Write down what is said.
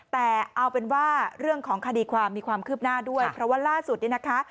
แต่เอาเป็นว่าเรื่องของคดีความมีความคืบหน้าด้วยเพราะว่าล่าสุดเนี่ยนะคะ